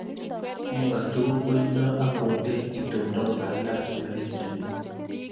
eng kotugul koindeni Akothee itondo kokiilach ngoroik chenuok